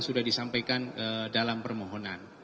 sudah disampaikan dalam permohonan